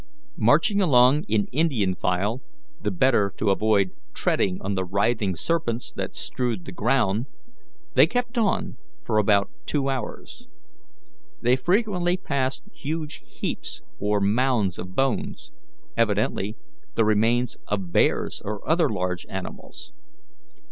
Marching along in Indian file, the better to avoid treading on the writhing serpents that strewed the ground, they kept on for about two hours. They frequently passed huge heaps or mounds of bones, evidently the remains of bears or other large animals.